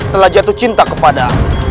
telah jatuh cinta kepada